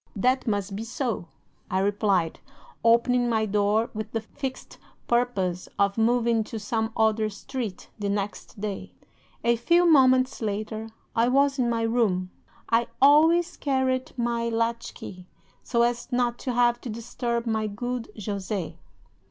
"'"That must be so," I replied, opening my door with the fixed purpose of moving to some other street the next day. "'A few moments later I was in my room; I always carried my latchkey, so as not to have to disturb my good Jose.